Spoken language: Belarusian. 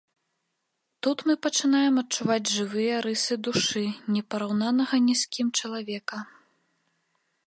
Тут мы пачынаем адчуваць жывыя рысы душы не параўнанага ні з кім чалавека.